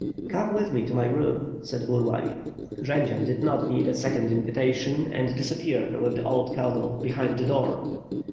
"Come with me to my room," said Burlay. Jendzian did not need a second invitation and disappeared with the ol(J colonel, behind the door.